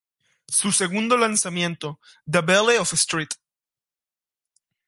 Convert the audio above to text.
Su segundo lanzamiento "The Belle of St.